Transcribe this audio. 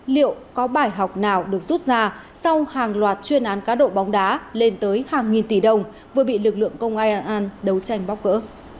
liệu có bài học nào được rút ra sau hàng loạt chuyên án cá độ bóng đá lên tới hàng nghìn tỷ đồng vừa bị lực lượng công an đấu tranh bóc gỡ